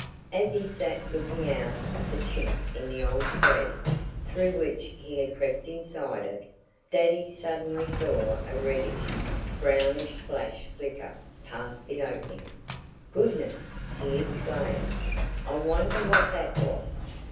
As he sat looking out of the chink in the old tree, through which he had crept inside it, Daddy suddenly saw a reddish, brownish flash flicker past the opening. "Goodness!" he exclaimed. "I wonder what that was!"